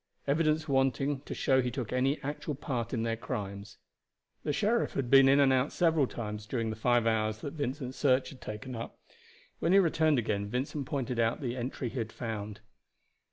Evidence wanting to show he took any actual part in their crimes." The sheriff had been in and out several times during the five hours that Vincent's search had taken up. When he returned again Vincent pointed out the entry he had found.